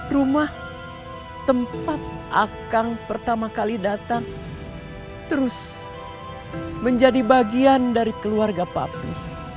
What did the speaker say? rumah tempat akang pertama kali datang terus menjadi bagian dari keluarga papi